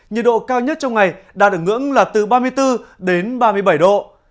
nhiệt độ cao nhất trong ngày đạt ứng ứng là từ ba mươi bốn đến ba mươi bảy độ